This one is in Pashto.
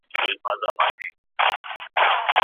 ماشیني ماډلونه د ډیټا په مټ روزل کیږي.